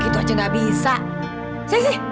iya terima kasih pak ya